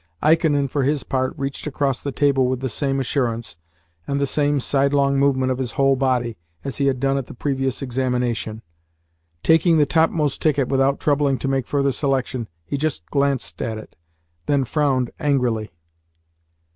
Ikonin, for his part, reached across the table with the same assurance, and the same sidelong movement of his whole body, as he had done at the previous examination. Taking the topmost ticket without troubling to make further selection, he just glanced at it, and then frowned angrily.